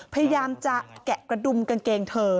พยายามจะแกะกระดุมกางเกงเธอ